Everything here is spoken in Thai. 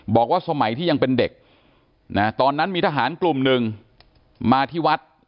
บอกว่าสมัยที่ยังเป็นเด็กตอนนั้นมีทหารกลุ่มหนึ่งมาที่วัด